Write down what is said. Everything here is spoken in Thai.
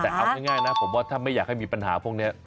แต่เอาง่ายนะผมว่าถ้าไม่อยากให้มีปัญหาพวกนี้